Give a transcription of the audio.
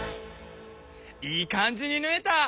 いい感じにぬえた！